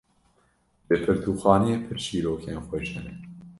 Li pirtûkxaneyê pir çîrokên xweş hene.